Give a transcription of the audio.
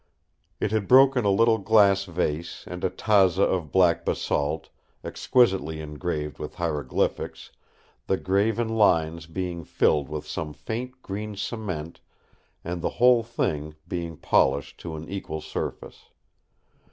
It had broken a little glass vase and a tazza of black basalt, exquisitely engraved with hieroglyphics, the graven lines being filled with some faint green cement and the whole thing being polished to an equal surface.